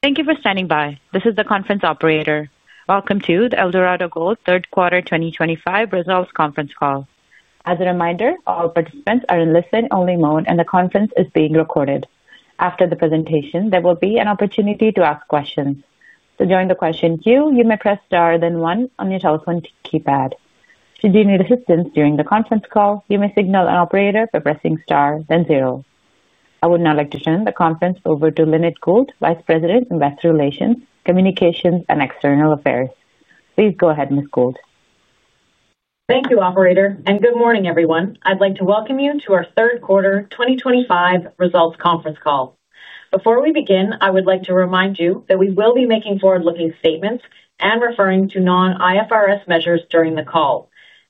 Thank you for standing by. This is the conference operator. Welcome to the Eldorado Gold third quarter 2025 results conference call. As a reminder, all participants are in listen-only mode, and the conference is being recorded. After the presentation, there will be an opportunity to ask questions. To join the question queue, you may press star then one on your telephone keypad. Should you need assistance during the conference call, you may signal an operator by pressing star then zero. I would now like to turn the conference over to Lynette Gould, Vice President, Investor Relations, Communications, and External Affairs. Please go ahead, Ms. Gould. Thank you, Operator, and good morning, everyone. I'd like to welcome you to our third quarter 2025 results conference call. Before we begin, I would like to remind you that we will be making forward-looking statements and referring to non-IFRS measures during the call.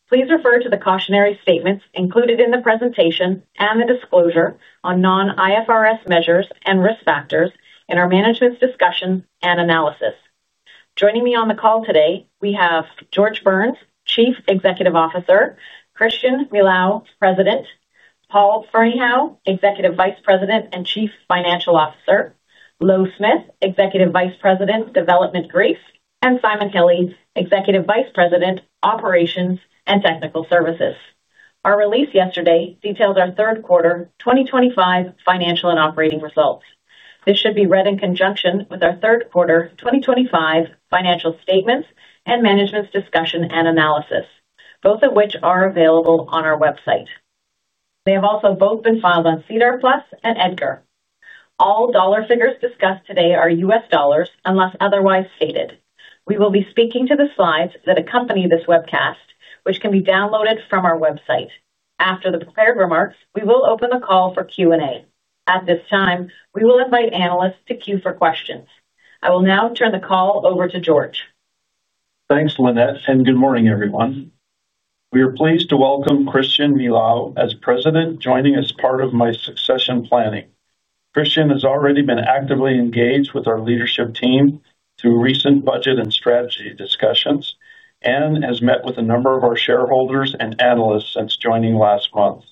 Please refer to the cautionary statements included in the presentation and the disclosure on non-IFRS measures and risk factors in our management's discussion and analysis. Joining me on the call today, we have George Burns, Chief Executive Officer; Christian Milau, President; Paul Ferneyhough, Chief Financial Officer; Louw Smith, Executive Vice President, Development; and Simon Hille, Executive Vice President, Operations. Our release yesterday details our third quarter 2025 financial and operating results. This should be read in conjunction with our third quarter 2025 financial statements and management's discussion and analysis, both of which are available on our website. They have also both been filed on SEDAR Plus and EDGAR. All dollar figures discussed today are U.S. dollars unless otherwise stated. We will be speaking to the slides that accompany this webcast, which can be downloaded from our website. After the prepared remarks, we will open the call for Q&A. At this time, we will invite analysts to queue for questions. I will now turn the call over to George. Thanks, Lynette, and good morning, everyone. We are pleased to welcome Christian as President, joining as part of my succession planning. Christian has already been actively engaged with our leadership team through recent budget and strategy discussions and has met with a number of our shareholders and analysts since joining last month.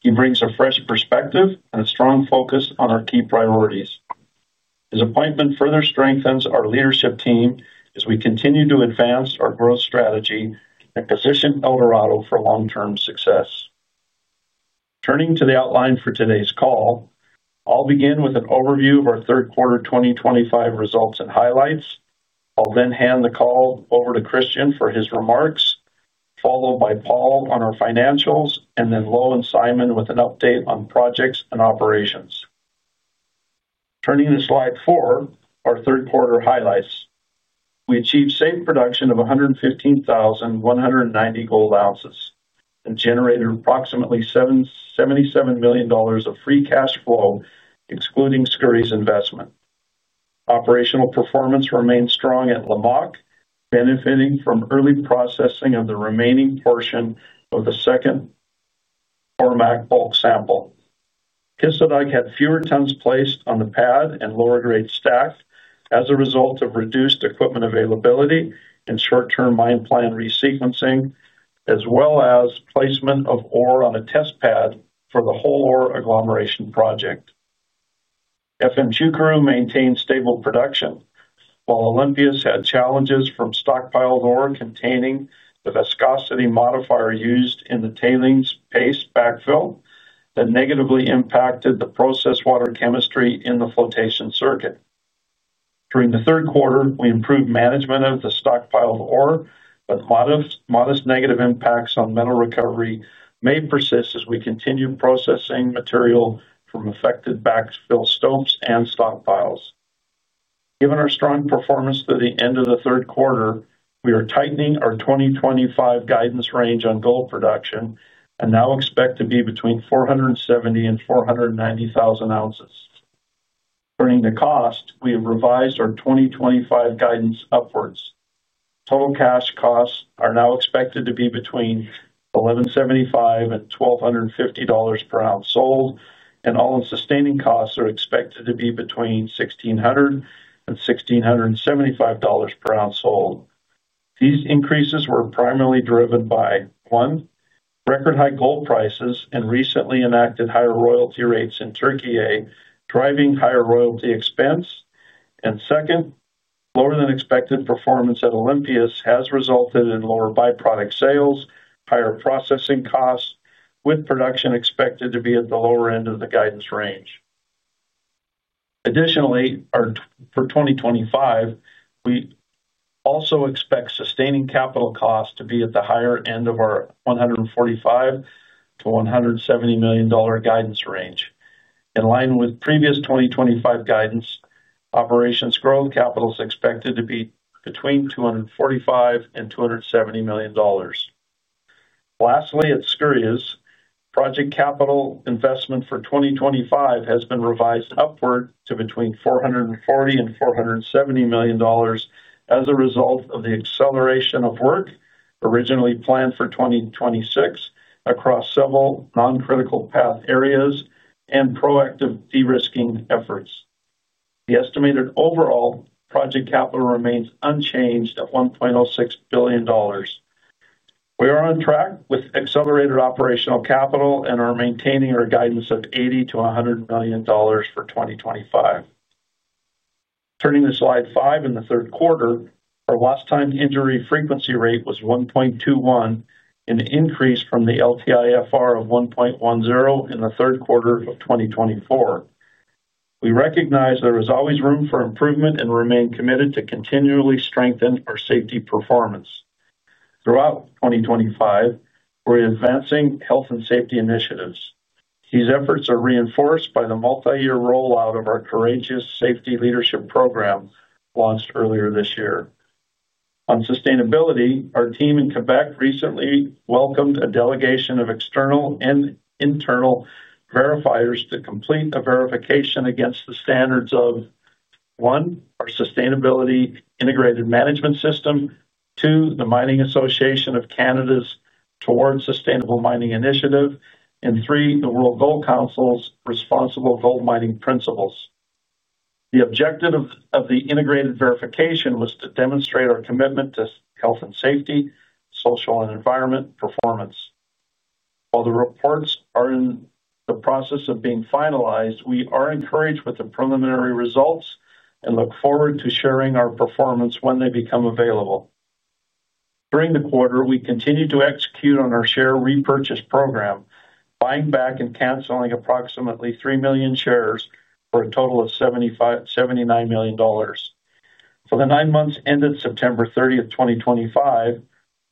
He brings a fresh perspective and a strong focus on our key priorities. His appointment further strengthens our leadership team as we continue to advance our growth strategy and position Eldorado for long-term success. Turning to the outline for today's call. I'll begin with an overview of our third quarter 2025 results and highlights. I'll then hand the call over to Christian for his remarks, followed by Paul on our financials, and then Louw and Simon with an update on projects and operations. Turning to slide four, our third quarter highlights. We achieved safe production of 115,190 gold ounces and generated approximately $77 million of free cash flow, excluding Skouries investment. Operational performance remained strong at Lamaque, benefiting from early processing of the remaining portion of the second Lamaque bulk sample. Kisladag had fewer tons placed on the pad and lower-grade stack as a result of reduced equipment availability and short-term mine plan resequencing, as well as placement of ore on a test pad for the whole ore agglomeration project. Efemcukuru maintained stable production, while Olympias had challenges from stockpiled ore containing the viscosity modifier used in the tailings paste backfill that negatively impacted the process water chemistry in the flotation circuit. During the third quarter, we improved management of the stockpiled ore, but modest negative impacts on metal recovery may persist as we continue processing material from affected backfill stopes and stockpiles. Given our strong performance through the end of the third quarter, we are tightening our 2025 guidance range on gold production and now expect to be between 470,000 and 490,000 ounces. Turning to cost, we have revised our 2025 guidance upwards. Total cash costs are now expected to be between $1,175 and $1,250 per ounce sold, and all-in sustaining costs are expected to be between $1,600 and $1,675 per ounce sold. These increases were primarily driven by, one, record-high gold prices and recently enacted higher royalty rates in Türkiye, driving higher royalty expense; and, second. Lower-than-expected performance at Olympias has resulted in lower byproduct sales and higher processing costs, with production expected to be at the lower end of the guidance range. Additionally, for 2025, we also expect sustaining capital costs to be at the higher end of our $145 million-$170 million guidance range. In line with previous 2025 guidance, operations growth capital is expected to be between $245 and $270 million. Lastly, at Skouries, project capital investment for 2025 has been revised upward to between $440 and $470 million as a result of the acceleration of work originally planned for 2026 across several non-critical path areas and proactive de-risking efforts. The estimated overall project capital remains unchanged at $1.06 billion. We are on track with accelerated operational capital and are maintaining our guidance of $80 million-$100 million for 2025. Turning to slide five, in the third quarter, our lost-time injury frequency rate was 1.21, an increase from the LTIFR of 1.10 in the third quarter of 2024. We recognize there is always room for improvement and remain committed to continually strengthen our safety performance. Throughout 2025, we're advancing health and safety initiatives. These efforts are reinforced by the multi-year rollout of our Courageous Safety Leadership program, launched earlier this year. On sustainability, our team in Quebec recently welcomed a delegation of external and internal verifiers to complete a verification against the standards of: one, our Sustainability Integrated Management System; two, the Mining Association of Canada's Towards Sustainable Mining Initiative; and three, the World Gold Council's Responsible Gold Mining Principles. The objective of the integrated verification was to demonstrate our commitment to health and safety, social, and environment performance. While the reports are in the process of being finalized, we are encouraged with the preliminary results and look forward to sharing our performance when they become available. During the quarter, we continue to execute on our share repurchase program, buying back and canceling approximately 3 million shares for a total of $79 million. For the nine months ended September 30, 2025,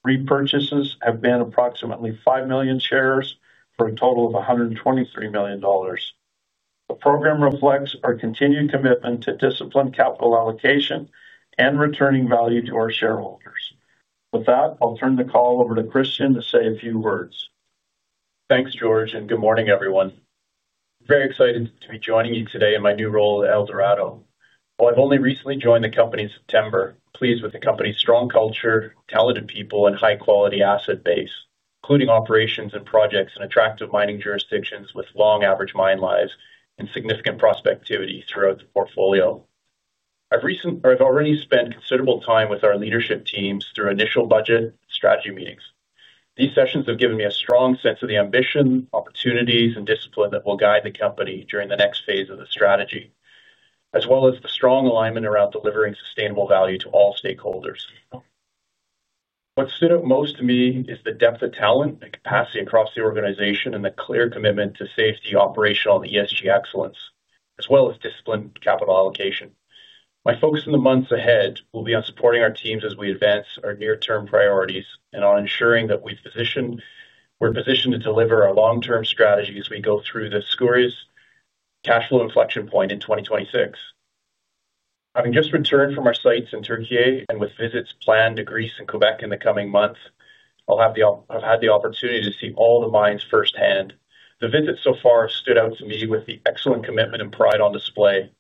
repurchases have been approximately 5 million shares for a total of $123 million. The program reflects our continued commitment to disciplined capital allocation and returning value to our shareholders. With that, I'll turn the call over to Christian to say a few words. Thanks, George, and good morning, everyone. I'm very excited to be joining you today in my new role at Eldorado Gold. I've only recently joined the company in September, pleased with the company's strong culture, talented people, and high-quality asset base, including operations and projects in attractive mining jurisdictions with long average mine lives and significant prospectivity throughout the portfolio. I've already spent considerable time with our leadership teams through initial budget and strategy meetings. These sessions have given me a strong sense of the ambition, opportunities, and discipline that will guide the company during the next phase of the strategy, as well as the strong alignment around delivering sustainable value to all stakeholders. What stood out most to me is the depth of talent, the capacity across the organization, and the clear commitment to safety, operational, and ESG excellence, as well as disciplined capital allocation. My focus in the months ahead will be on supporting our teams as we advance our near-term priorities and on ensuring that we're positioned to deliver our long-term strategy as we go through the Skouries cash flow inflection point in 2026. Having just returned from our sites in Türkiye and with visits planned to Greece and Quebec in the coming months, I've had the opportunity to see all the mines firsthand. The visits so far have stood out to me with the excellent commitment and pride on display.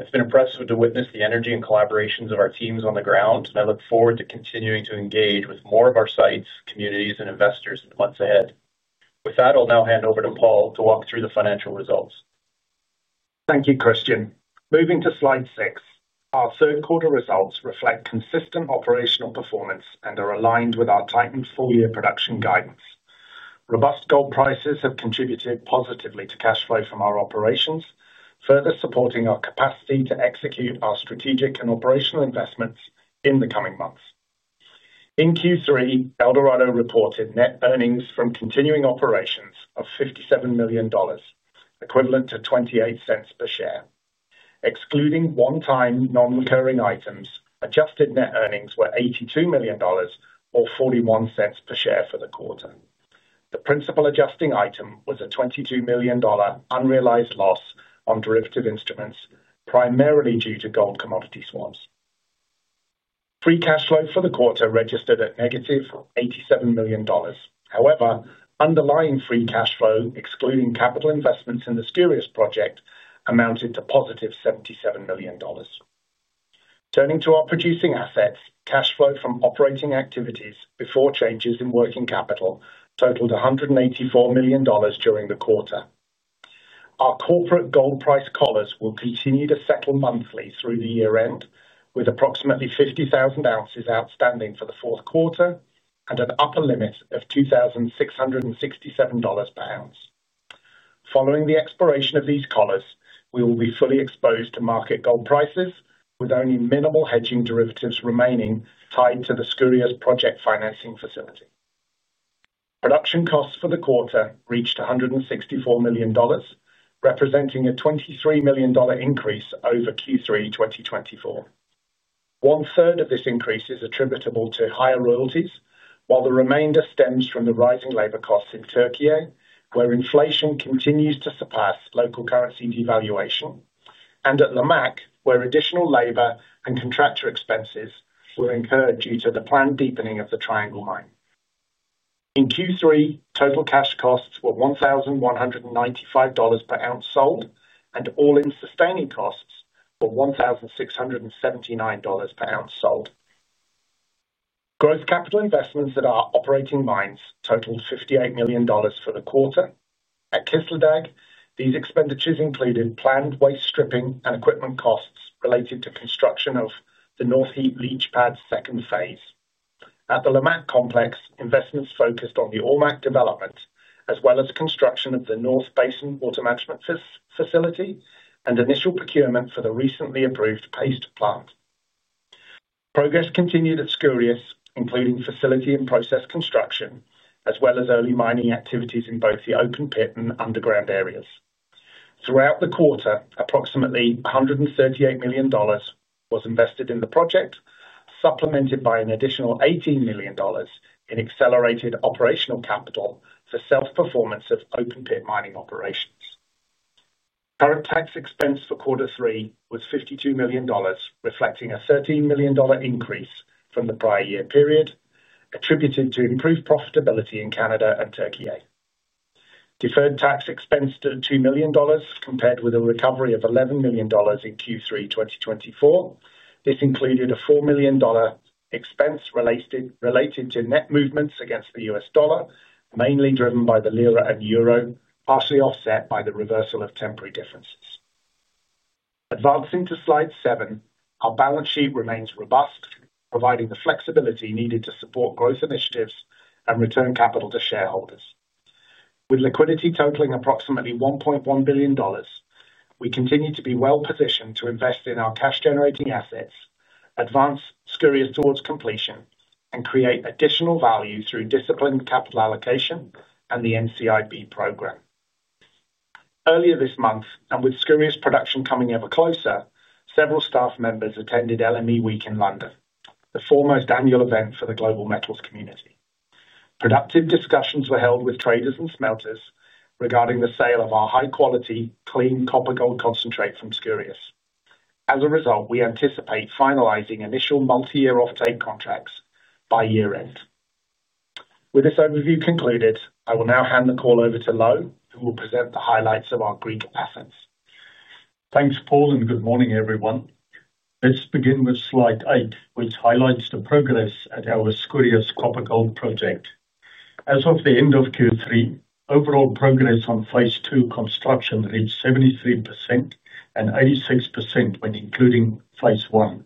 It's been impressive to witness the energy and collaborations of our teams on the ground, and I look forward to continuing to engage with more of our sites, communities, and investors in the months ahead. With that, I'll now hand over to Paul to walk through the financial results. Thank you, Christian. Moving to slide six, our third quarter results reflect consistent operational performance and are aligned with our tightened full-year production guidance. Robust gold prices have contributed positively to cash flow from our operations, further supporting our capacity to execute our strategic and operational investments in the coming months. In Q3, Eldorado Gold reported net earnings from continuing operations of $57 million, equivalent to $0.28 per share. Excluding one-time non-recurring items, adjusted net earnings were $82 million, or $0.41 per share for the quarter. The principal adjusting item was a $22 million unrealized loss on derivative instruments, primarily due to gold commodity swaps. Free cash flow for the quarter registered at -$87 million. However, underlying free cash flow, excluding capital investments in the Skouries project, amounted to +$77 million. Turning to our producing assets, cash flow from operating activities before changes in working capital totaled $184 million during the quarter. Our corporate gold price collars will continue to settle monthly through the year-end, with approximately 50,000 ounces outstanding for the fourth quarter and an upper limit of $2,667 per ounce. Following the expiration of these collars, we will be fully exposed to market gold prices, with only minimal hedging derivatives remaining tied to the Skouries project financing facility. Production costs for the quarter reached $164 million, representing a $23 million increase over Q3 2023. One-third of this increase is attributable to higher royalties, while the remainder stems from the rising labor costs in Türkiye, where inflation continues to surpass local currency devaluation, and at Lamaque, where additional labor and contractor expenses were incurred due to the planned deepening of the Triangle mine. In Q3, total cash costs were $1,195 per ounce sold, and all-in sustaining costs were $1,679 per ounce sold. Gross capital investments at our operating mines totaled $58 million for the quarter. At Kisladag, these expenditures included planned waste stripping and equipment costs related to construction of the North Heap Leach Pad second phase. At the Lamaque complex, investments focused on the Ormaque development, as well as construction of the North Basin water management facility and initial procurement for the recently approved paste plant. Progress continued at Skouries, including facility and process construction, as well as early mining activities in both the open pit and underground areas. Throughout the quarter, approximately $138 million was invested in the project, supplemented by an additional $18 million in accelerated operational capital for self-performance of open pit mining operations. Current tax expense for quarter three was $52 million, reflecting a $13 million increase from the prior year period, attributed to improved profitability in Canada and Türkiye. Deferred tax expense to $2 million, compared with a recovery of $11 million in Q3 2024. This included a $4 million expense related to net movements against the U.S. dollar, mainly driven by the lira and euro, partially offset by the reversal of temporary differences. Advancing to slide seven, our balance sheet remains robust, providing the flexibility needed to support growth initiatives and return capital to shareholders. With liquidity totaling approximately $1.1 billion, we continue to be well-positioned to invest in our cash-generating assets, advance Skouries towards completion, and create additional value through disciplined capital allocation and the NCIB program. Earlier this month, and with Skouries production coming ever closer, several staff members attended LME Week in London, the foremost annual event for the global metals community. Productive discussions were held with traders and smelters regarding the sale of our high-quality, clean copper-gold concentrate from Skouries. As a result, we anticipate finalizing initial multi-year offtake contracts by year-end. With this overview concluded, I will now hand the call over to Louw, who will present the highlights of our Greek assets. Thanks, Paul, and good morning, everyone. Let's begin with slide eight, which highlights the progress at our Skouries copper-gold project. As of the end of Q3, overall progress on phase two construction reached 73%, and 86% when including phase one.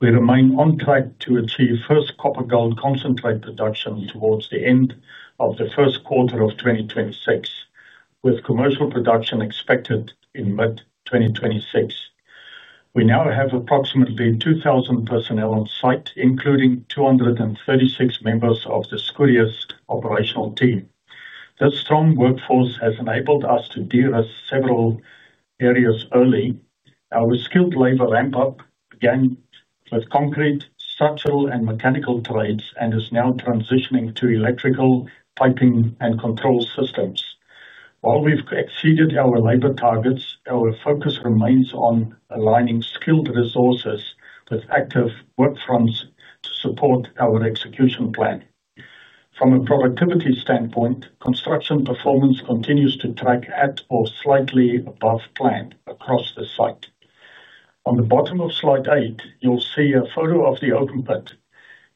We remain on track to achieve first copper-gold concentrate production towards the end of the first quarter of 2026, with commercial production expected in mid-2026. We now have approximately 2,000 personnel on site, including 236 members of the Skouries operational team. This strong workforce has enabled us to de-risk several areas early. Our skilled labor ramp-up began with concrete, structural, and mechanical trades and is now transitioning to electrical, piping, and control systems. While we've exceeded our labor targets, our focus remains on aligning skilled resources with active work fronts to support our execution plan. From a productivity standpoint, construction performance continues to track at or slightly above plan across the site. On the bottom of slide eight, you'll see a photo of the open pit.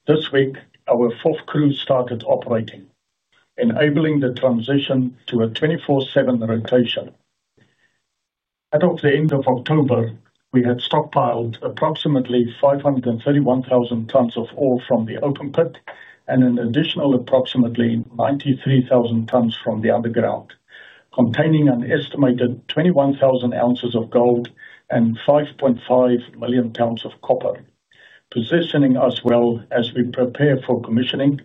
This week, our fourth crew started operating, enabling the transition to a 24/7 rotation. As of the end of October, we had stockpiled approximately 531,000 tons of ore from the open pit and an additional approximately 93,000 tons from the underground, containing an estimated 21,000 ounces of gold and 5.5 million tons of copper, positioning us well as we prepare for commissioning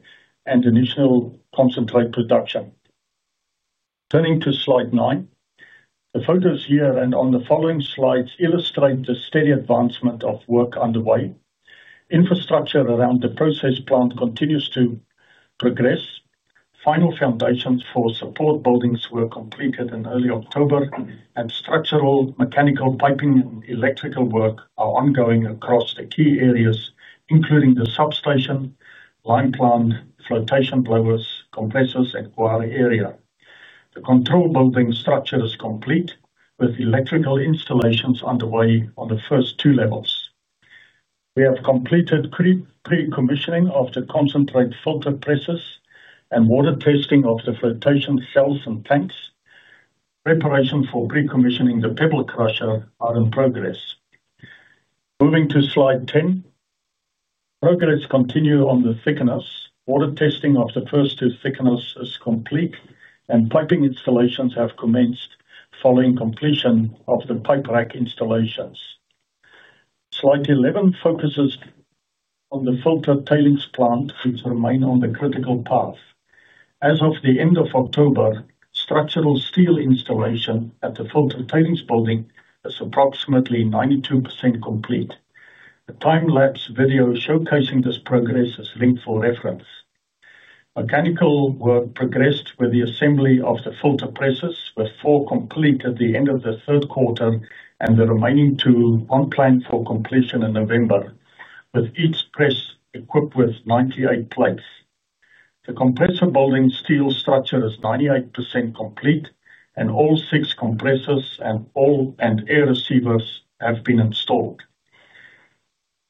and initial concentrate production. Turning to slide nine, the photos here and on the following slides illustrate the steady advancement of work underway. Infrastructure around the process plant continues to progress. Final foundations for support buildings were completed in early October, and structural, mechanical, piping, and electrical work are ongoing across the key areas, including the substation, line plant, flotation blowers, compressors, and quarry area. The control building structure is complete, with electrical installations underway on the first two levels. We have completed pre-commissioning of the concentrate filter presses and water testing of the flotation cells and tanks. Preparation for pre-commissioning the pebble crusher is in progress. Moving to slide 10. Progress continues on the thickeners. Water testing of the first two thickeners is complete, and piping installations have commenced following completion of the pipe rack installations. Slide 11 focuses on the filter tailings plant, which remains on the critical path. As of the end of October, structural steel installation at the filter tailings building is approximately 92% complete. A time-lapse video showcasing this progress is linked for reference. Mechanical work progressed with the assembly of the filter presses, with four complete at the end of the third quarter and the remaining two on plan for completion in November, with each press equipped with 98 plates. The compressor building steel structure is 98% complete, and all six compressors and air receivers have been installed.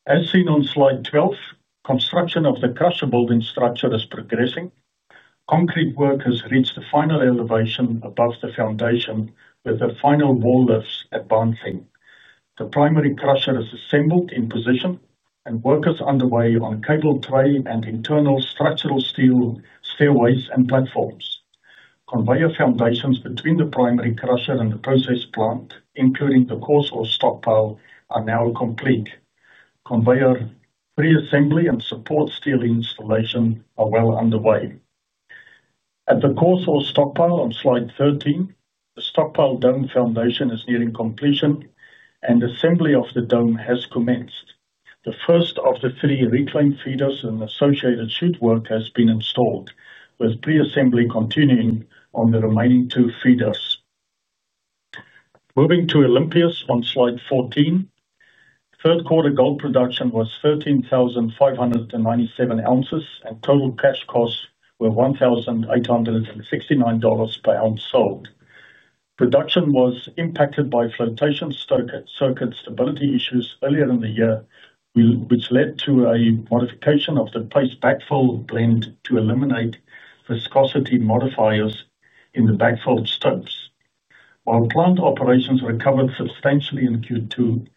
As seen on slide 12, construction of the crusher building structure is progressing. Concrete work has reached the final elevation above the foundation, with the final wall lifts advancing. The primary crusher is assembled in position, and work is underway on cable tray and internal structural steel stairways and platforms. Conveyor foundations between the primary crusher and the process plant, including the coarse ore stockpile, are now complete. Conveyor pre-assembly and support steel installation are well underway. At the coarse ore stockpile on slide 13, the stockpile dome foundation is nearing completion, and assembly of the dome has commenced. The first of the three reclaimed feeders and associated chute work has been installed, with pre-assembly continuing on the remaining two feeders. Moving to Olympias on slide 14. Third quarter gold production was 13,597 ounces, and total cash costs were $1,869 per ounce sold. Production was impacted by flotation circuit stability issues earlier in the year, which led to a modification of the paste backfill blend to eliminate viscosity modifiers in the backfilled stopes. While plant operations recovered substantially in Q2,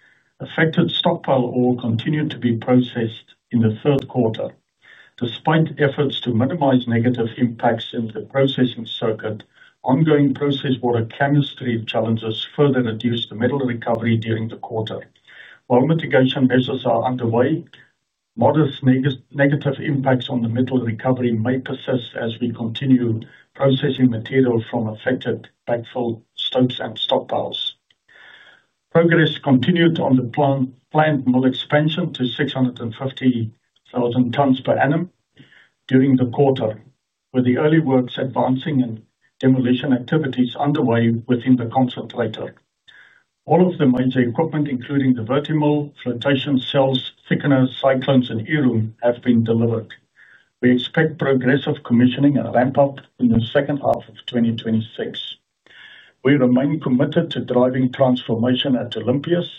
affected stockpile ore continued to be processed in the third quarter. Despite efforts to minimize negative impacts in the processing circuit, ongoing process water chemistry challenges further reduced the metal recovery during the quarter. While mitigation measures are underway, modest negative impacts on the metal recovery may persist as we continue processing material from affected backfill stopes and stockpiles. Progress continued on the planned mill expansion to 650,000 tons per annum during the quarter, with the early works advancing and demolition activities underway within the concentrator. All of the major equipment, including the Vertimill, flotation cells, thickeners, cyclones, and E-room, have been delivered. We expect progressive commissioning and ramp-up in the second half of 2026. We remain committed to driving transformation at Olympias.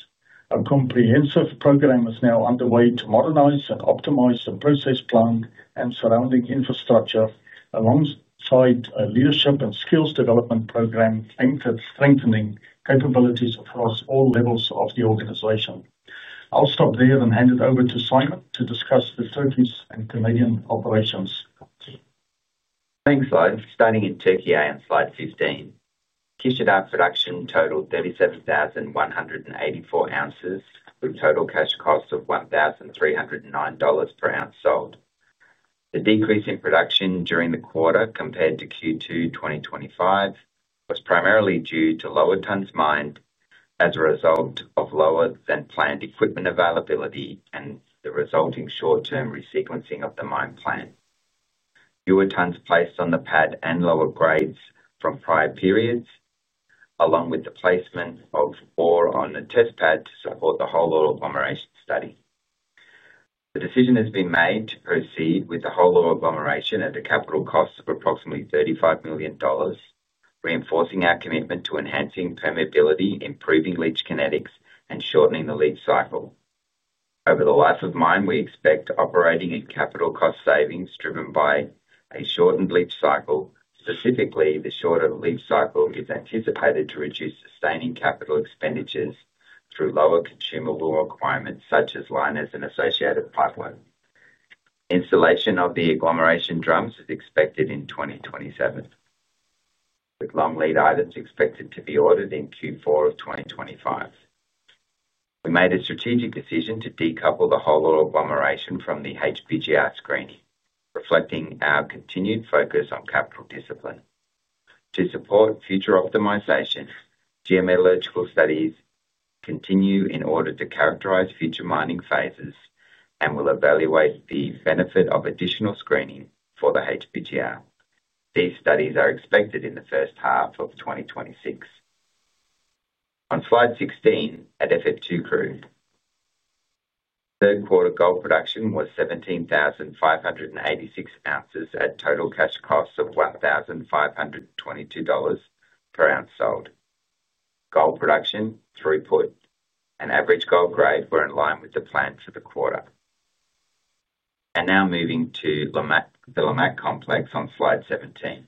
A comprehensive program is now underway to modernize and optimize the process plant and surrounding infrastructure, alongside a leadership and skills development program aimed at strengthening capabilities across all levels of the organization. I'll stop there and hand it over to Simon to discuss the Turkish and Canadian operations. Thanks, Louw. Standing in Türkiye on slide 15, Kisladag production totaled 37,184 ounces, with total cash cost of $1,309 per ounce sold. The decrease in production during the quarter compared to Q2 2025 was primarily due to lower tons mined as a result of lower-than-planned equipment availability and the resulting short-term resequencing of the mine plan. Fewer tons placed on the pad and lower grades from prior periods, along with the placement of ore on the test pad to support the whole ore agglomeration study. The decision has been made to proceed with the whole ore agglomeration at a capital cost of approximately $35 million, reinforcing our commitment to enhancing permeability, improving leach kinetics, and shortening the leach cycle. Over the life of mine, we expect operating and capital cost savings driven by a shortened leach cycle. Specifically, the shorter leach cycle is anticipated to reduce sustaining capital expenditures through lower consumable requirements such as liners and associated pipelines. Installation of the agglomeration drums is expected in 2027, with long lead items expected to be ordered in Q4 of 2025. We made a strategic decision to decouple the whole ore agglomeration from the HBGR screening, reflecting our continued focus on capital discipline. To support future optimization, geometallurgical studies continue in order to characterize future mining phases and will evaluate the benefit of additional screening for the HBGR. These studies are expected in the first half of 2026. On slide 16, at Efemcukuru, third quarter gold production was 17,586 ounces at total cash cost of $1,522 per ounce sold. Gold production, throughput, and average gold grade were in line with the plan for the quarter. Now moving to the Lamaque complex on slide 17.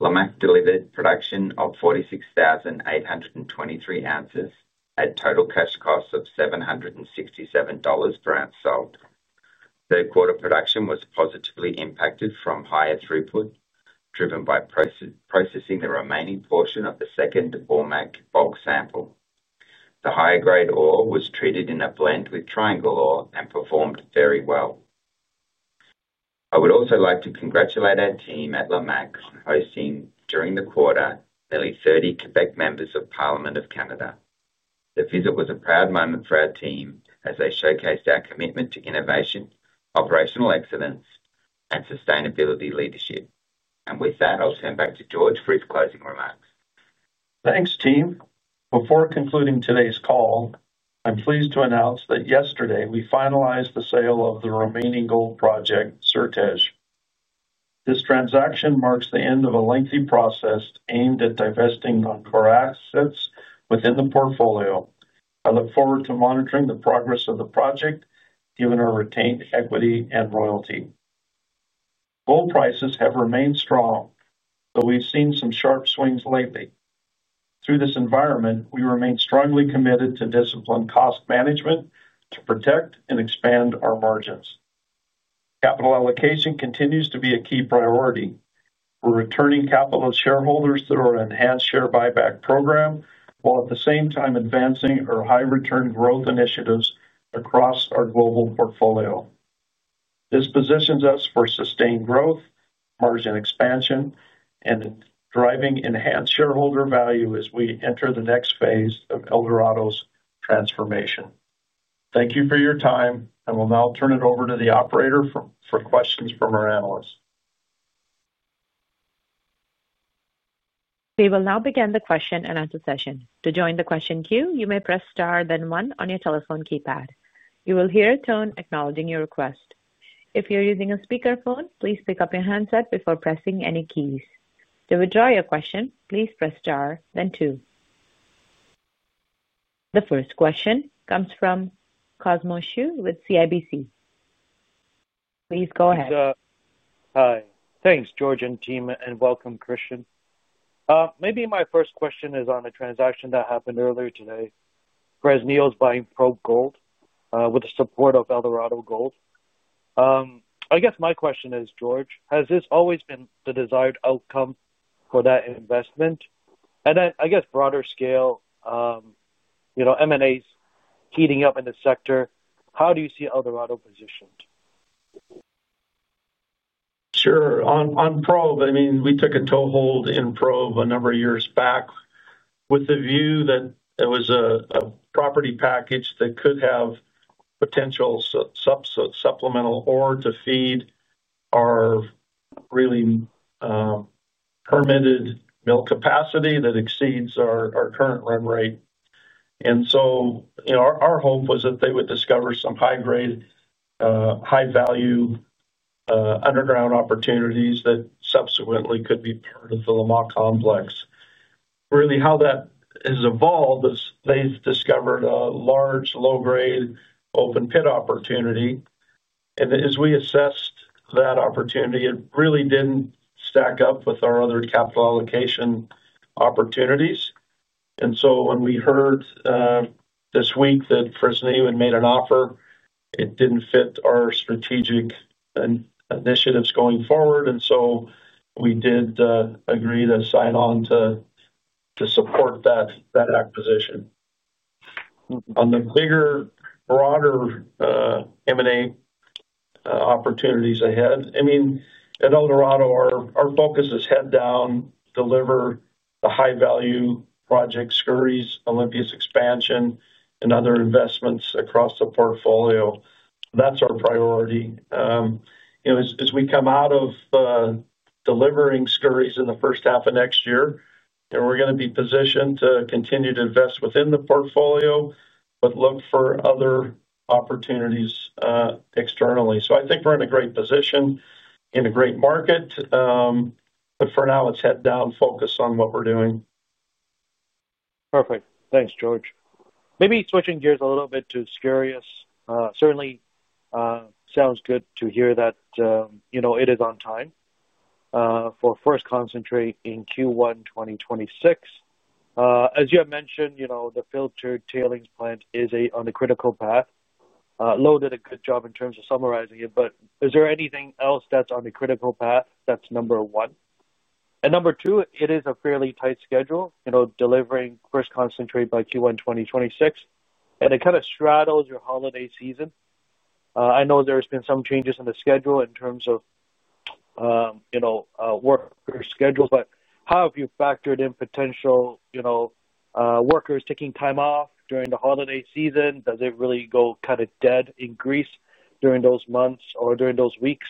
Lamaque delivered production of 46,823 ounces at total cash cost of $767 per ounce sold. Third quarter production was positively impacted from higher throughput, driven by processing the remaining portion of the second Lamaque bulk sample. The higher grade ore was treated in a blend with Triangle ore and performed very well. I would also like to congratulate our team at Lamaque on hosting, during the quarter, nearly 30 Quebec members of Parliament of Canada. The visit was a proud moment for our team as they showcased our commitment to innovation, operational excellence, and sustainability leadership. With that, I'll turn back to George for his closing remarks. Thanks, team. Before concluding today's call, I'm pleased to announce that yesterday we finalized the sale of the remaining gold project, Sertej. This transaction marks the end of a lengthy process aimed at divesting non-core assets within the portfolio. I look forward to monitoring the progress of the project, given our retained equity and royalty. Gold prices have remained strong, though we've seen some sharp swings lately. Through this environment, we remain strongly committed to disciplined cost management to protect and expand our margins. Capital allocation continues to be a key priority. We're returning capital to shareholders through our enhanced share buyback program, while at the same time advancing our high-return growth initiatives across our global portfolio. This positions us for sustained growth, margin expansion, and driving enhanced shareholder value as we enter the next phase of Eldorado Gold's transformation. Thank you for your time, and we'll now turn it over to the operator for questions from our analysts. We will now begin the question-and-answer session. To join the question queue, you may press star, then one on your telephone keypad. You will hear a tone acknowledging your request. If you're using a speakerphone, please pick up your handset before pressing any keys. To withdraw your question, please press star, then two. The first question comes from Cosmos Chiu with CIBC. Please go ahead. Hi. Thanks, George and team, and welcome, Christian. Maybe my first question is on a transaction that happened earlier today, where Neil's buying Probe Gold with the support of Eldorado Gold. I guess my question is, George, has this always been the desired outcome for that investment? I guess broader scale, M&A is heating up in the sector. How do you see Eldorado positioned? Sure. On Probe, I mean, we took a toehold in Probe a number of years back with the view that it was a property package that could have potential supplemental ore to feed our really permitted mill capacity that exceeds our current run rate. Our hope was that they would discover some high-grade, high-value underground opportunities that subsequently could be part of the Lamaque complex. Really, how that has evolved is they've discovered a large low-grade open pit opportunity. As we assessed that opportunity, it really didn't stack up with our other capital allocation opportunities. When we heard this week that Probe Gold made an offer, it didn't fit our strategic initiatives going forward. We did agree to sign on to support that acquisition. On the bigger, broader M&A opportunities ahead, at Eldorado, our focus is head-down, deliver the high-value project, Skouries, Olympias expansion, and other investments across the portfolio. That's our priority. As we come out of delivering Skouries in the first half of next year, we're going to be positioned to continue to invest within the portfolio, but look for other opportunities externally. I think we're in a great position, in a great market. For now, it's head-down focus on what we're doing. Perfect. Thanks, George. Maybe switching gears a little bit to Skouries. Certainly sounds good to hear that it is on time for first concentrate in Q1 2026. As you have mentioned, the filtered tailings plant is on the critical path. Louw did a good job in terms of summarizing it, but is there anything else that's on the critical path, that's number one? Number two, it is a fairly tight schedule, delivering first concentrate by Q1 2026, and it kind of straddles your holiday season. I know there have been some changes in the schedule in terms of worker schedules, but how have you factored in potential workers taking time off during the holiday season? Does it really go kind of dead in Greece during those months or during those weeks?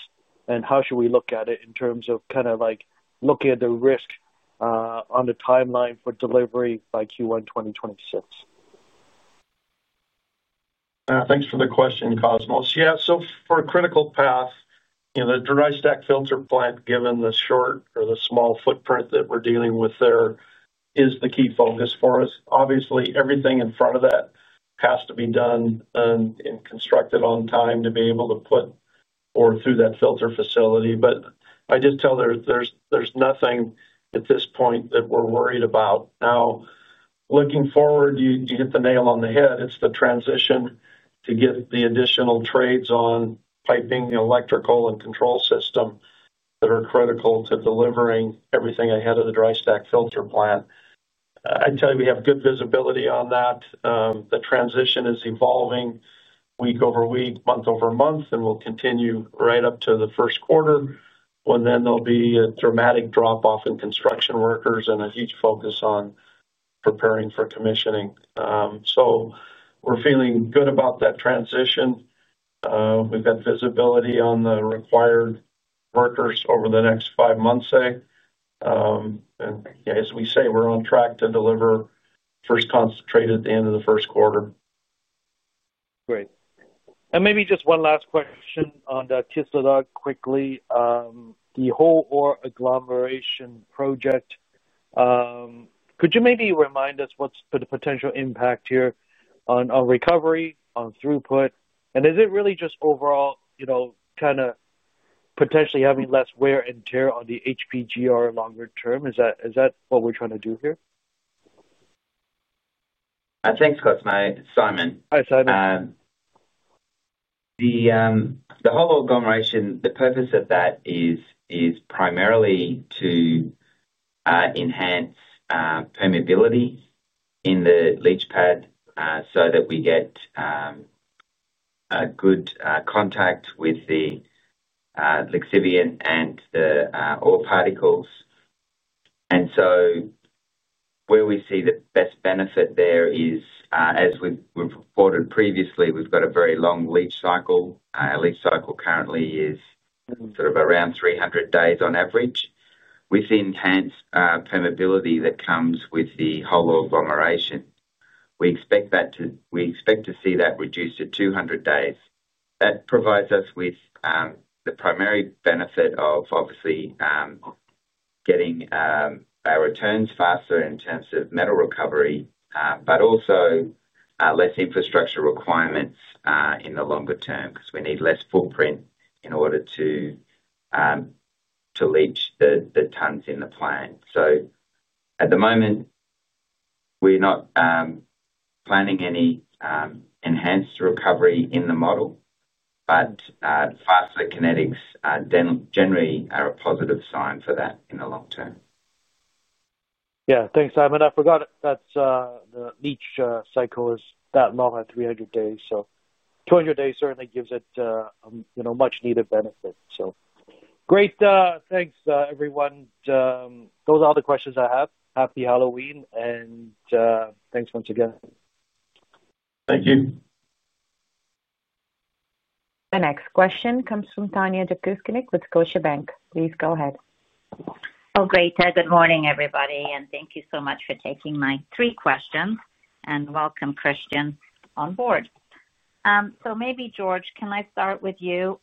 How should we look at it in terms of kind of looking at the risk on the timeline for delivery by Q1 2026? Thanks for the question, Cosmos. Yeah. For critical path, the dry stack filter plant, given the short or the small footprint that we're dealing with there, is the key focus for us. Obviously, everything in front of that has to be done and constructed on time to be able to put ore through that filter facility. There's nothing at this point that we're worried about. Now, looking forward, you hit the nail on the head. It's the transition to get the additional trades on piping, electrical, and control system that are critical to delivering everything ahead of the dry stack filter plant. We have good visibility on that. The transition is evolving week over week, month over month, and will continue right up to the first quarter, when there'll be a dramatic drop-off in construction workers and a huge focus on preparing for commissioning. We're feeling good about that transition. We've got visibility on the required workers over the next five months, say, and we're on track to deliver first concentrate at the end of the first quarter. Great. Maybe just one last question on the Kisladag quickly. The whole ore agglomeration project, could you maybe remind us what's the potential impact here on recovery, on throughput? Is it really just overall kind of potentially having less wear and tear on the HPGR longer term? Is that what we're trying to do here? Thanks, Cosmo. It's Simon. Hi, Simon. The whole agglomeration, the purpose of that is primarily to enhance permeability in the leach pad so that we get good contact with the lixiviant and the ore particles. Where we see the best benefit there is, as we've reported previously, we've got a very long leach cycle. Our leach cycle currently is sort of around 300 days on average. With the enhanced permeability that comes with the whole agglomeration, we expect to see that reduced to 200 days. That provides us with the primary benefit of, obviously, getting our returns faster in terms of metal recovery, but also less infrastructure requirements in the longer term because we need less footprint in order to leach the tons in the plan. At the moment, we're not planning any enhanced recovery in the model, but faster kinetics generally are a positive sign for that in the long term. Yeah. Thanks, Simon. I forgot that the leach cycle is that long, 300 days. 200 days certainly gives it much-needed benefit. Great, thanks, everyone. Those are all the questions I have. Happy Halloween. Thanks once again. Thank you. The next question comes from Tanya Jakusconek with Scotiabank. Please go ahead. Oh, great. Good morning, everybody. Thank you so much for taking my three questions. Welcome, Christian, on board. George, can I start with you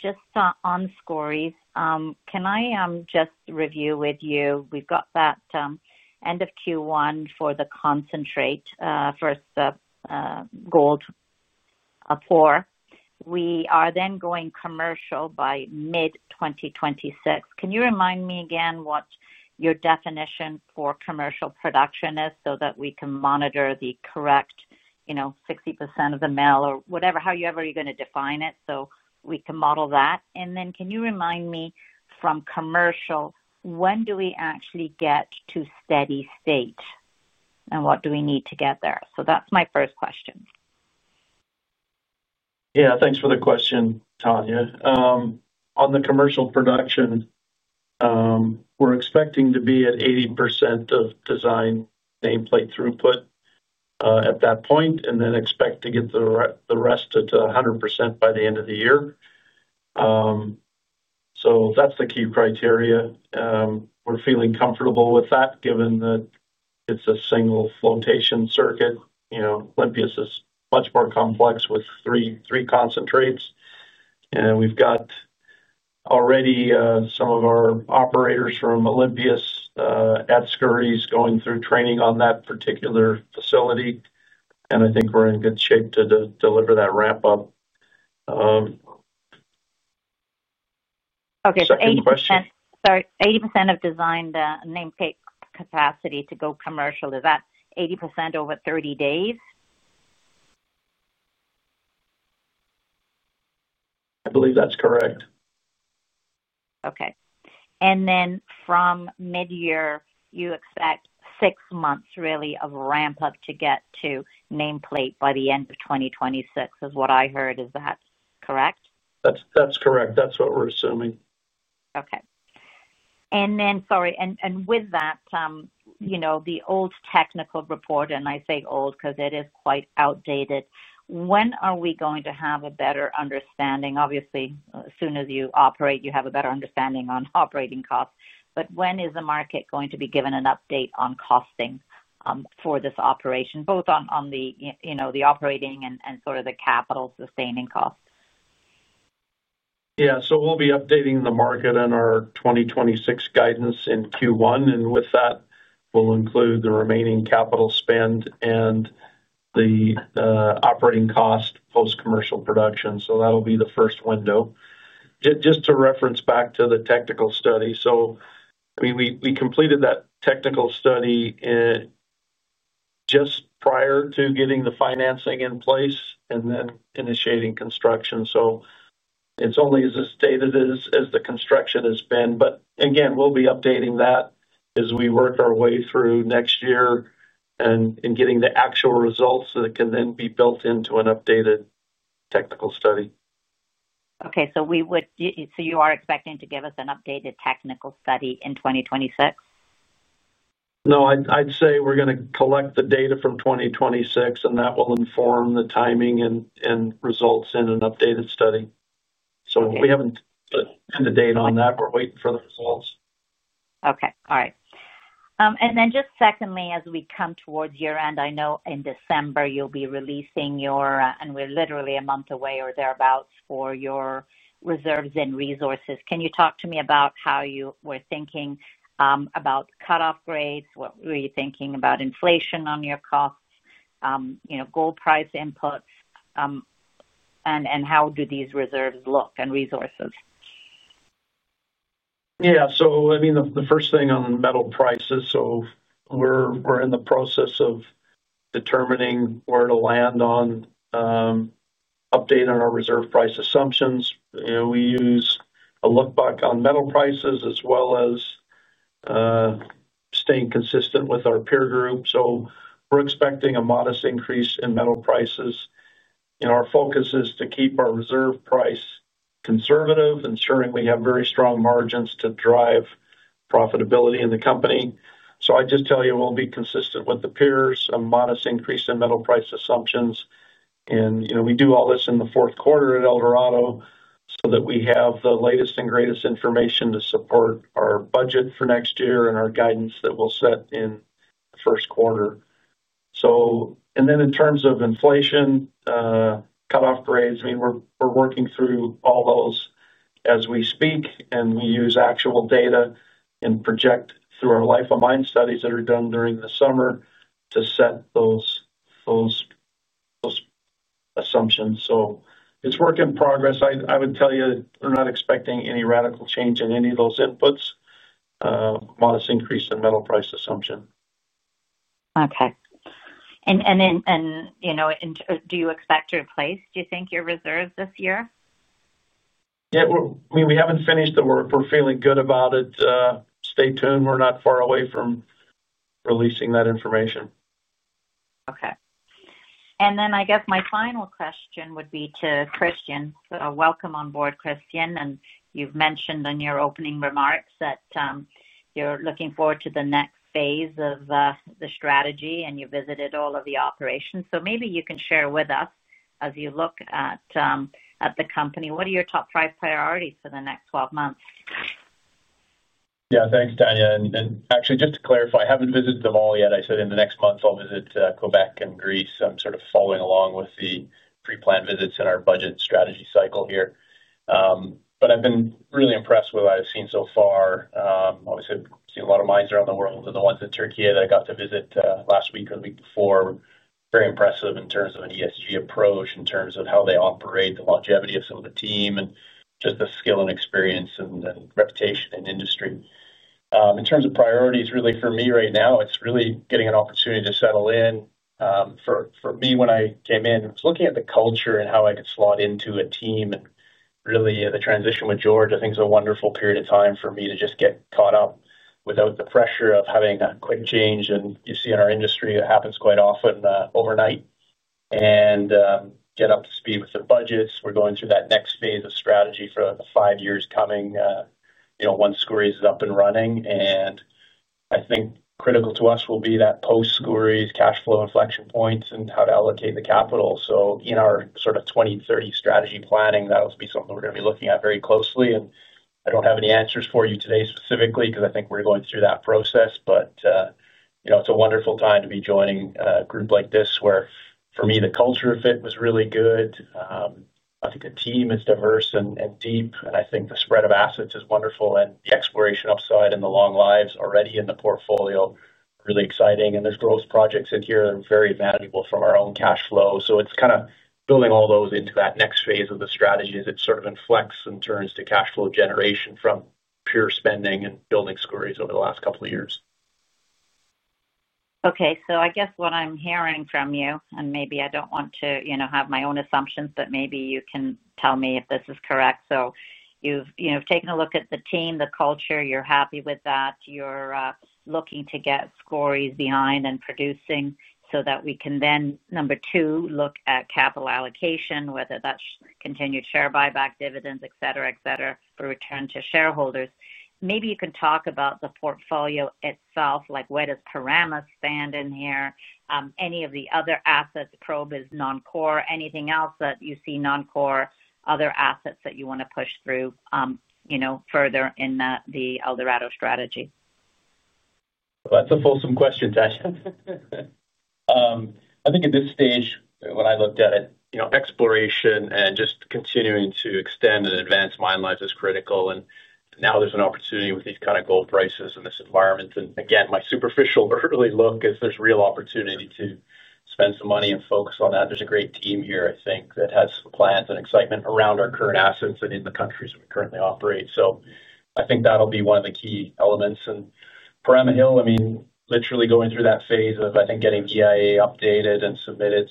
just on Skouries? Can I just review with you? We've got that end of Q1 for the concentrate first. Gold. We are then going commercial by mid-2026. Can you remind me again what your definition for commercial production is so that we can monitor the correct 60% of the mill or whatever, however you're going to define it, so we can model that? Can you remind me from commercial, when do we actually get to steady state? What do we need to get there? That's my first question. Yeah. Thanks for the question, Tanya. On the commercial production, we're expecting to be at 80% of design nameplate throughput at that point, and then expect to get the rest to 100% by the end of the year. That's the key criteria. We're feeling comfortable with that given that it's a single flotation circuit. Olympias is much more complex with three concentrates. We've got already some of our operators from Olympias at Skouries going through training on that particular facility. I think we're in good shape to deliver that ramp-up. Okay. 80%. Sorry. 80% of designed nameplate capacity to go commercial, is that 80% over 30 days? I believe that's correct. Okay. From mid-year, you expect six months, really, of ramp-up to get to nameplate by the end of 2026. Is that correct? That's correct. That's what we're assuming. Okay. With that, the old technical report, and I say old because it is quite outdated, when are we going to have a better understanding? Obviously, as soon as you operate, you have a better understanding on operating costs. When is the market going to be given an update on costing for this operation, both on the operating and sort of the capital sustaining costs? Yeah. We'll be updating the market in our 2026 guidance in Q1, and with that, we'll include the remaining capital spend and the operating cost post-commercial production. That'll be the first window. Just to reference back to the technical study, we completed that technical study just prior to getting the financing in place and then initiating construction. It's only as stated as the construction has been. We'll be updating that as we work our way through next year and getting the actual results that can then be built into an updated technical study. Okay, you are expecting to give us an updated technical study in 2026? No, I'd say we're going to collect the data from 2026, and that will inform the timing and results in an updated study. We haven't put a date on that. We're waiting for the results. All right. Just secondly, as we come towards year-end, I know in December you'll be releasing your, and we're literally a month away or thereabouts for your reserves and resources. Can you talk to me about how you were thinking about cut-off grades? Were you thinking about inflation on your costs, gold price inputs, and how do these reserves look and resources? Yeah. The first thing on metal prices, we're in the process of determining where to land on updating our reserve price assumptions. We use a look-back on metal prices as well as staying consistent with our peer group. We're expecting a modest increase in metal prices. Our focus is to keep our reserve price conservative, ensuring we have very strong margins to drive profitability in the company. I just tell you, we'll be consistent with the peers, a modest increase in metal price assumptions. We do all this in the fourth quarter at Eldorado Gold so that we have the latest and greatest information to support our budget for next year and our guidance that we'll set in the first quarter. In terms of inflation, cut-off grades, we're working through all those as we speak, and we use actual data and project through our life of mine studies that are done during the summer to set those assumptions. It's work in progress. I would tell you we're not expecting any radical change in any of those inputs. Modest increase in metal price assumption. Do you expect to replace, do you think, your reserves this year? Yeah, I mean, we haven't finished the work. We're feeling good about it. Stay tuned. We're not far away from releasing that information. Okay. I guess my final question would be to Christian. Welcome on board, Christian. You mentioned in your opening remarks that you're looking forward to the next phase of the strategy, and you visited all of the operations. Maybe you can share with us as you look at the company, what are your top five priorities for the next 12 months? Yeah. Thanks, Tanya. Actually, just to clarify, I haven't visited them all yet. I said in the next month, I'll visit Quebec and Greece. I'm sort of following along with the pre-planned visits in our budget strategy cycle here. I've been really impressed with what I've seen so far. Obviously, I've seen a lot of mines around the world. The ones in Türkiye that I got to visit last week or the week before, very impressive in terms of an ESG approach, in terms of how they operate, the longevity of some of the team, and just the skill and experience and reputation in industry. In terms of priorities, really, for me right now, it's really getting an opportunity to settle in. For me, when I came in, I was looking at the culture and how I could slot into a team. The transition with George, I think, is a wonderful period of time for me to just get caught up without the pressure of having a quick change. You see in our industry, it happens quite often overnight. Get up to speed with the budgets. We're going through that next phase of strategy for the five years coming, once Skouries is up and running. I think critical to us will be that post-Skouries cash flow inflection points and how to allocate the capital. In our sort of 2030 strategy planning, that'll be something we're going to be looking at very closely. I don't have any answers for you today specifically because I think we're going through that process. It's a wonderful time to be joining a group like this where, for me, the culture fit was really good. I think the team is diverse and deep. I think the spread of assets is wonderful. The exploration upside and the long lives already in the portfolio are really exciting. There are growth projects in here that are very valuable from our own cash flow. It's kind of building all those into that next phase of the strategy as it sort of inflects and turns to cash flow generation from pure spending and building Skouries over the last couple of years. Okay. I guess what I'm hearing from you, and maybe I don't want to have my own assumptions, but maybe you can tell me if this is correct. You've taken a look at the team, the culture. You're happy with that. You're looking to get Skouries behind and producing so that we can then, number two, look at capital allocation, whether that's continued share repurchases, dividends, etc., etc., for return to shareholders. Maybe you can talk about the portfolio itself. Where does Perama stand in here? Any of the other assets? Probe Gold is non-core. Anything else that you see non-core, other assets that you want to push through further in the Eldorado Gold strategy? That's a fulsome question, Tasha. I think at this stage, when I looked at it, exploration and just continuing to extend and advance mine life is critical. Now there's an opportunity with these kind of gold prices in this environment. Again, my superficial early look is there's real opportunity to spend some money and focus on that. There's a great team here, I think, that has plans and excitement around our current assets and in the countries we currently operate. I think that'll be one of the key elements. Parama Hill, I mean, literally going through that phase of, I think, getting EIA updated and submitted.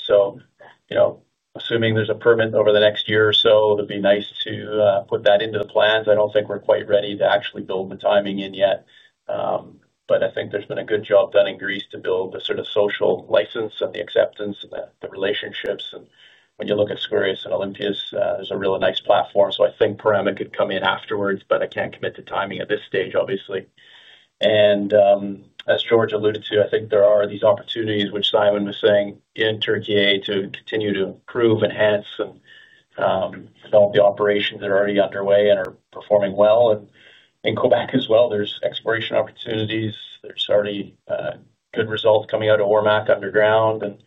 Assuming there's a permit over the next year or so, it'd be nice to put that into the plans. I don't think we're quite ready to actually build the timing in yet. I think there's been a good job done in Greece to build the sort of social license and the acceptance and the relationships. When you look at Skouries and Olympias, there's a really nice platform. I think Parama could come in afterwards, but I can't commit to timing at this stage, obviously. As George alluded to, I think there are these opportunities, which Simon was saying, in Türkiye to continue to improve, enhance, and develop the operations that are already underway and are performing well. In Quebec as well, there's exploration opportunities. There's already good results coming out of Ormac underground, and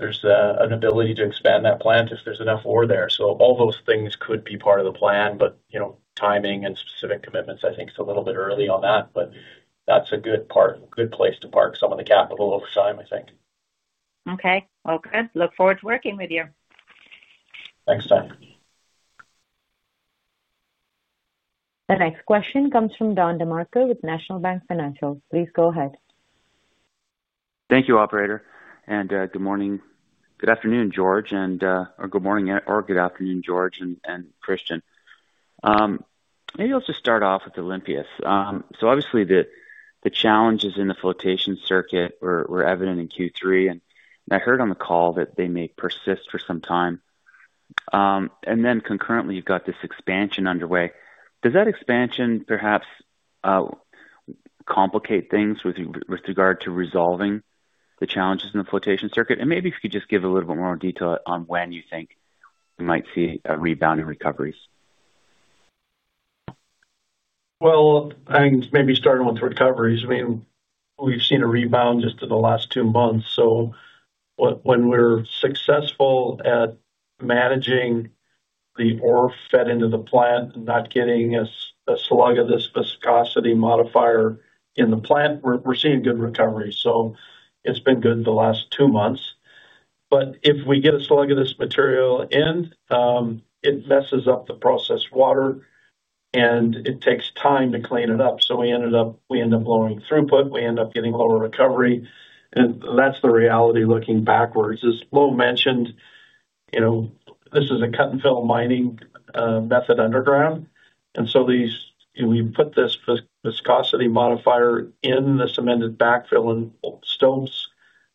there's an ability to expand that plant if there's enough ore there. All those things could be part of the plan, but timing and specific commitments, I think it's a little bit early on that. That's a good place to park some of the capital over time, I think. Okay. Good. Look forward to working with you. Thanks, Tanya. The next question comes from Don Demarco with National Bank Financial. Please go ahead. Thank you, Operator. Good afternoon, George, and good morning or good afternoon, George and Christian. Maybe I'll just start off with Olympias. The challenges in the flotation circuit were evident in Q3. I heard on the call that they may persist for some time. Concurrently, you've got this expansion underway. Does that expansion perhaps complicate things with regard to resolving the challenges in the flotation circuit? Maybe if you could just give a little bit more detail on when you think you might see a rebound in recoveries. I think maybe starting with recoveries. I mean, we've seen a rebound just in the last two months. When we're successful at managing the ore fed into the plant and not getting a slug of this viscosity modifier in the plant, we're seeing good recovery. It's been good the last two months. If we get a slug of this material in, it messes up the process water, and it takes time to clean it up. We end up lowering throughput and getting lower recovery. That's the reality looking backwards. As Louw mentioned, this is a cut-and-fill mining method underground. We put this viscosity modifier in the cemented backfill and stopes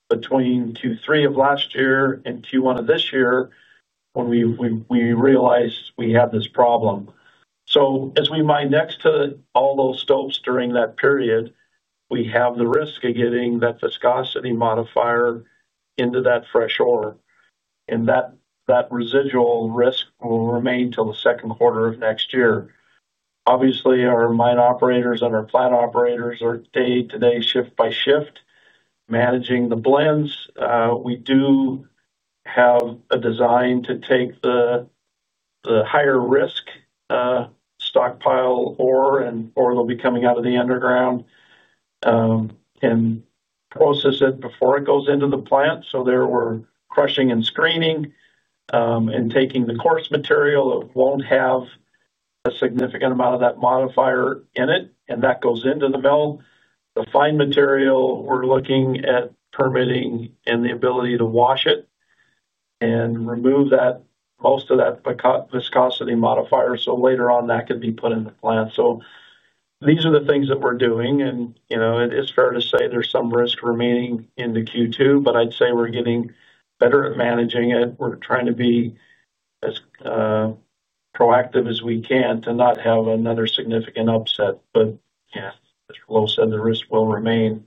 between Q3 of last year and Q1 of this year when we realized we had this problem. As we mine next to all those stopes during that period, we have the risk of getting that viscosity modifier into that fresh ore. That residual risk will remain till the second quarter of next year. Obviously, our mine operators and our plant operators are day-to-day, shift by shift, managing the blends. We do have a design to take the higher risk stockpile ore, and ore that'll be coming out of the underground, and process it before it goes into the plant. There we're crushing and screening and taking the coarse material that won't have a significant amount of that modifier in it, and that goes into the mill. The fine material, we're looking at permitting and the ability to wash it and remove most of that viscosity modifier so later on that could be put in the plant. These are the things that we're doing. It is fair to say there's some risk remaining into Q2, but I'd say we're getting better at managing it. We're trying to be as proactive as we can to not have another significant upset. As Louw said, the risk will remain.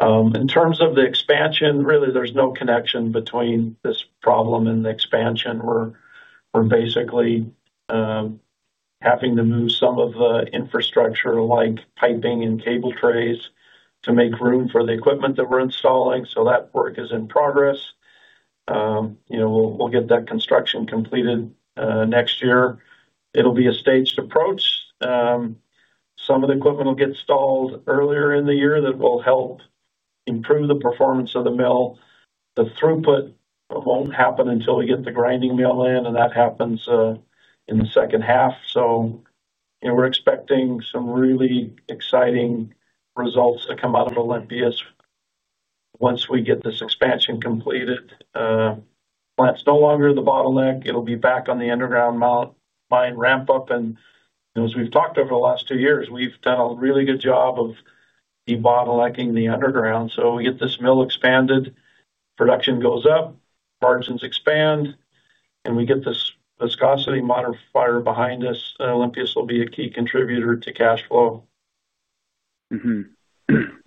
In terms of the expansion, really, there's no connection between this problem and the expansion. We're basically having to move some of the infrastructure like piping and cable trays to make room for the equipment that we're installing. That work is in progress. We'll get that construction completed next year. It'll be a staged approach. Some of the equipment will get installed earlier in the year that will help improve the performance of the mill. The throughput won't happen until we get the grinding mill in, and that happens in the second half. We're expecting some really exciting results to come out of Olympias once we get this expansion completed. Plant's no longer the bottleneck. It'll be back on the underground mine ramp-up. As we've talked over the last two years, we've done a really good job of debottlenecking the underground. We get this mill expanded, production goes up, margins expand, and we get this viscosity modifier behind us. Olympias will be a key contributor to cash flow.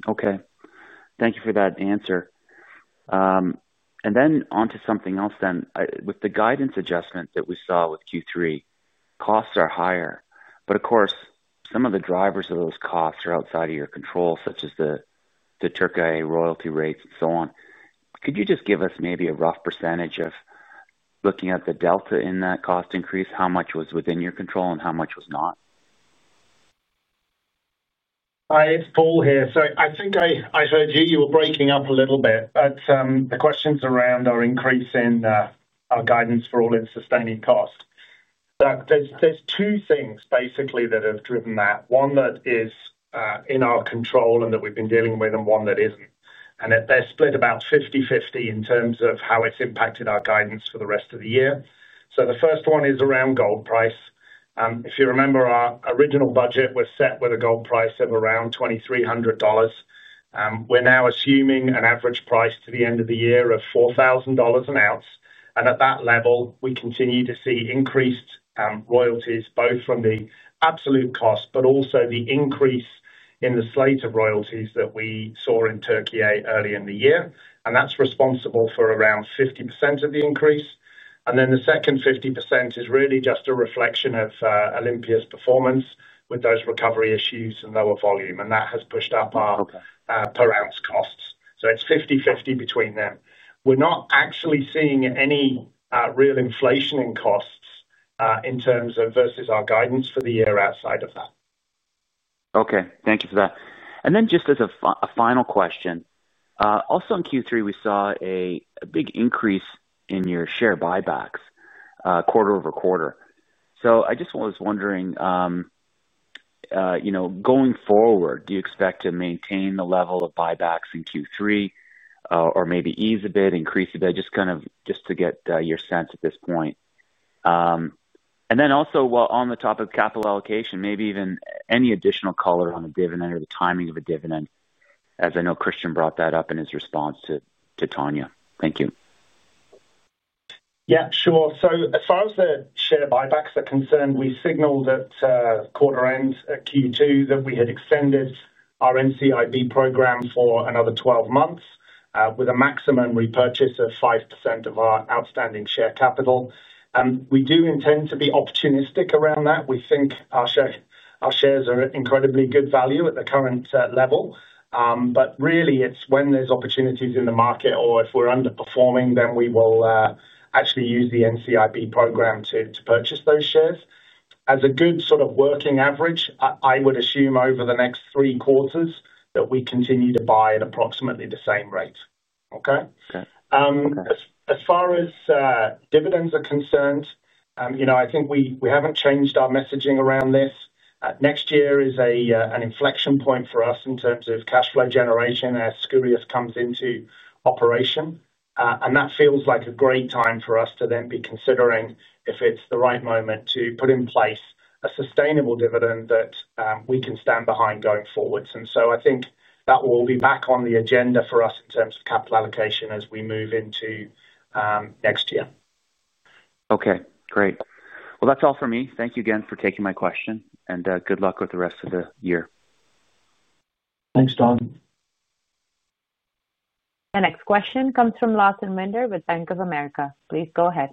Okay. Thank you for that answer. Onto something else then. With the guidance adjustment that we saw with Q3, costs are higher. Of course, some of the drivers of those costs are outside of your control, such as the Türkiye royalty rates and so on. Could you just give us maybe a rough percentage of, looking at the delta in that cost increase, how much was within your control and how much was not? It's Paul here. I think I heard you. You were breaking up a little bit. The question's around our increase in our guidance for all-in sustaining cost. There are two things, basically, that have driven that. One that is in our control and that we've been dealing with and one that isn't. They're split about 50/50 in terms of how it's impacted our guidance for the rest of the year. The first one is around gold price. If you remember our original budget, we're set with a gold price of around $2,300. We're now assuming an average price to the end of the year of $4,000 an ounce. At that level, we continue to see increased royalties, both from the absolute cost, but also the increase in the slate of royalties that we saw in Türkiye early in the year. That's responsible for around 50% of the increase. The second 50% is really just a reflection of Olympias' performance with those recovery issues and lower volume. That has pushed up our per ounce costs. It's 50/50 between them. We're not actually seeing any real inflation in costs versus our guidance for the year outside of that. Okay. Thank you for that. Just as a final question, also in Q3, we saw a big increase in your share buybacks quarter-over-quarter. I just was wondering, going forward, do you expect to maintain the level of buybacks in Q3, or maybe ease a bit, increase a bit? Just to get your sense at this point. Also, on the topic of capital allocation, maybe even any additional color on a dividend or the timing of a dividend, as I know Christian brought that up in his response to Tanya. Thank you. Yeah, sure. As far as the share buybacks are concerned, we signaled at quarter-end at Q2 that we had extended our NCIB program for another 12 months with a maximum repurchase of 5% of our outstanding share capital. We do intend to be opportunistic around that. We think our shares are at incredibly good value at the current level. Really, it's when there's opportunities in the market or if we're underperforming, then we will actually use the NCIB program to purchase those shares. As a good sort of working average, I would assume over the next three quarters that we continue to buy at approximately the same rate. Okay? As far as dividends are concerned, I think we haven't changed our messaging around this. Next year is an inflection point for us in terms of cash flow generation as Skouries comes into operation. That feels like a great time for us to then be considering if it's the right moment to put in place a sustainable dividend that we can stand behind going forwards. I think that will be back on the agenda for us in terms of capital allocation as we move into next year. Great. That's all for me. Thank you again for taking my question. Good luck with the rest of the year. Thanks, Don. The next question comes from Lawson Winder with Bank of America. Please go ahead.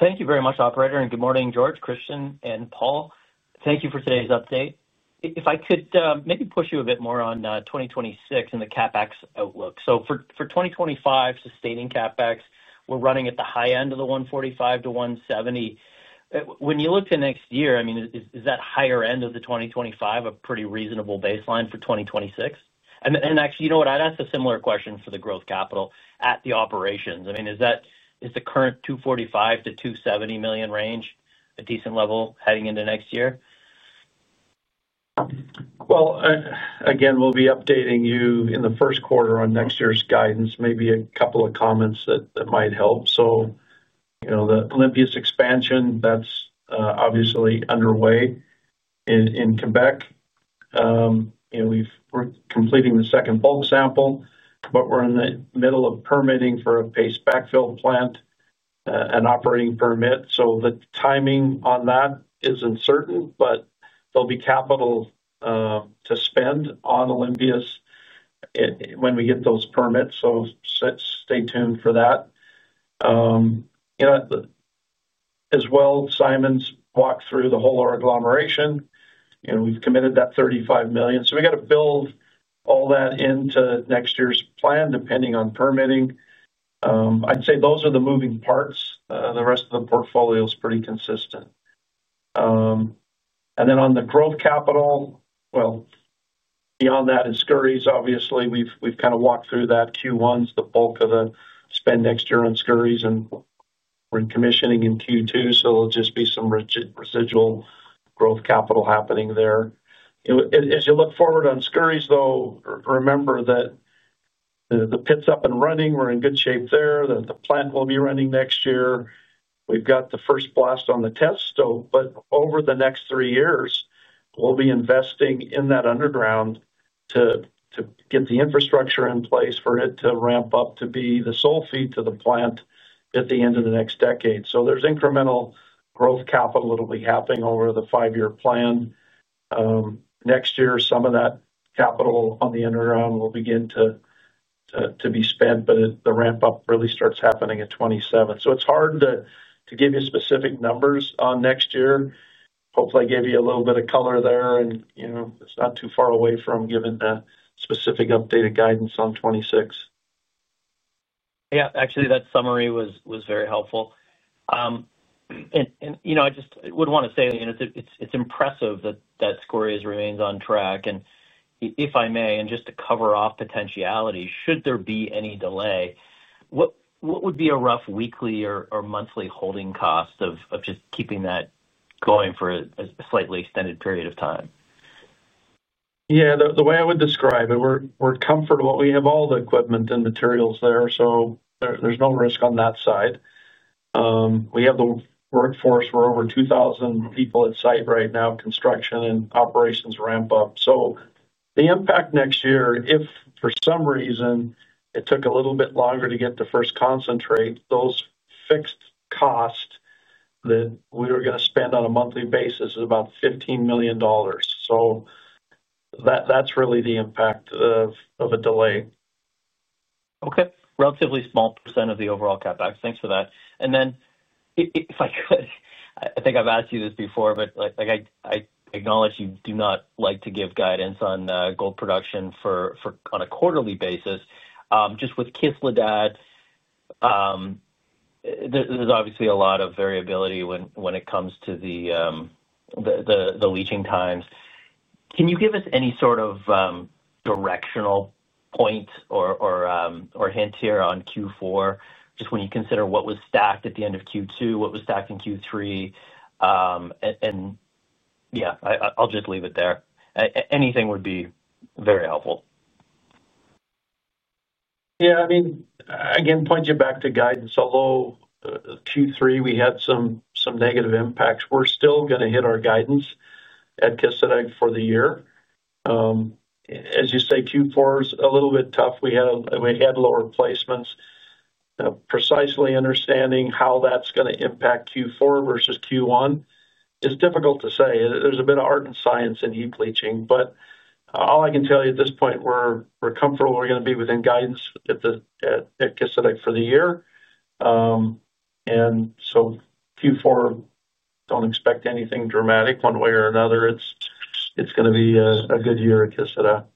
Thank you very much, Operator. Good morning, George, Christian, and Paul. Thank you for today's update. If I could maybe push you a bit more on 2026 and the CapEx outlook. For 2025, sustaining CapEx, we're running at the high end of the $145 million-$170 million. When you look to next year, is that higher end of the 2025 a pretty reasonable baseline for 2026? Actually, you know what? I'd ask a similar question for the growth capital at the operations. Is the current $245 million-$270 million range a decent level heading into next year? We'll be updating you in the first quarter on next year's guidance. Maybe a couple of comments that might help. The Olympias expansion, that's obviously underway. In Quebec, we're completing the second bulk sample, but we're in the middle of permitting for a paste backfill plant and operating permit. The timing on that isn't certain, but there'll be capital to spend on Olympias when we get those permits. Stay tuned for that. As well, Simon's walked through the whole agglomeration. We've committed that $35 million, so we got to build all that into next year's plan, depending on permitting. I'd say those are the moving parts. The rest of the portfolio is pretty consistent. On the growth capital, beyond that and Skouries, obviously, we've kind of walked through that Q1, the bulk of the spend next year on Skouries. We're in commissioning in Q2, so there'll just be some residual growth capital happening there. As you look forward on Skouries, though, remember that the pit's up and running. We're in good shape there. The plant will be running next year. We've got the first blast on the test stope. Over the next three years, we'll be investing in that underground to get the infrastructure in place for it to ramp up to be the sole feed to the plant at the end of the next decade. There's incremental growth capital that'll be happening over the five-year plan. Next year, some of that capital on the underground will begin to be spent, but the ramp-up really starts happening at 2027. It's hard to give you specific numbers on next year. Hopefully, I gave you a little bit of color there, and it's not too far away from giving the specific updated guidance on 2026. Yeah, actually, that summary was very helpful. I just would want to say it's impressive that Skouries remains on track. If I may, just to cover off potentiality, should there be any delay, what would be a rough weekly or monthly holding cost of just keeping that going for a slightly extended period of time? Yeah. The way I would describe it, we're comfortable. We have all the equipment and materials there, so there's no risk on that side. We have the workforce. We're over 2,000 people at site right now, construction and operations ramp-up. The impact next year, if for some reason it took a little bit longer to get the first concentrate, those fixed costs that we were going to spend on a monthly basis is about $15 million. That's really the impact of a delay. Okay. Relatively small percent of the overall CapEx. Thanks for that. If I could, I think I've asked you this before, but I acknowledge you do not like to give guidance on gold production on a quarterly basis. Just with Kisladag, there's obviously a lot of variability when it comes to the leaching times. Can you give us any sort of directional point or hint here on Q4? Just when you consider what was stacked at the end of Q2, what was stacked in Q3. I'll just leave it there. Anything would be very helpful. Yeah. I mean, again, point you back to guidance. Although Q3, we had some negative impacts, we're still going to hit our guidance at Kisladag for the year. As you say, Q4 is a little bit tough. We had lower placements. Precisely understanding how that's going to impact Q4 versus Q1 is difficult to say. There's a bit of art and science in heap leaching. All I can tell you at this point, we're comfortable we're going to be within guidance at Kisladag for the year. Q4, don't expect anything dramatic one way or another. It's going to be a good year at Kisladag.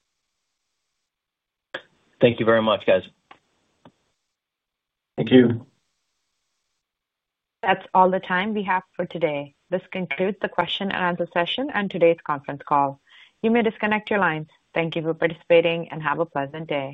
Thank you very much, guys. Thank you. That's all the time we have for today. This concludes the question-and-answer session and today's conference call. You may disconnect your lines. Thank you for participating and have a pleasant day.